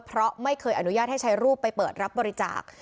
เพราะไม่เคยอนุญาตให้ใช้รูปไปเปิดรับบริจาค